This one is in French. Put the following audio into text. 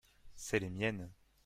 c'est les miennes.